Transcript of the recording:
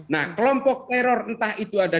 nah kelompok teror entah itu ada